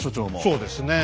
そうですねえ。